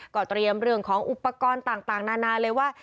ก็เตรียมเรื่องของอุปกรณ์ต่างนานาเลยว่า